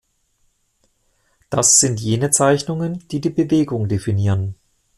Das sind jene Zeichnungen, die die Bewegung definieren.